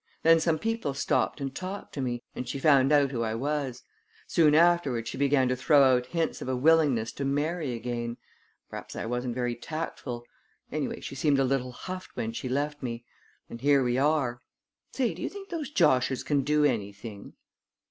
Then some people stopped and talked to me, and she found out who I was. Soon afterward she began to throw out hints of a willingness to marry again. Perhaps I wasn't very tactful. Anyway she seemed a little huffed when she left me and here we are! Say, do you think those joshers can do anything?"